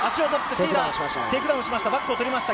テイクダウンしました。